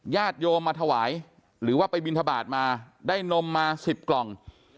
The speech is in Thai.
ญาติโยมมาถวายหรือว่าไปบินทบาทมาได้นมมา๑๐กล่อง